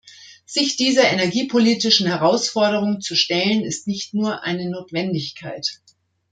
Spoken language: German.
Sich dieser energiepolitischen Herausforderung zu stellen, ist nicht nur eine Notwendigkeit.